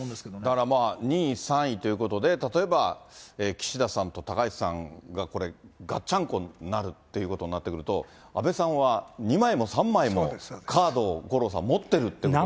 だから２位と３位で、例えば岸田さんと高市さんがこれ、がっちゃんこになるっていうことになってくると、安倍さんは２枚も３枚もカードを五郎さん、持ってるということに。